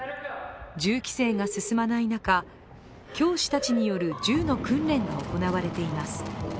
銃規制が進まない中、教師たちによる銃の訓練が行われています。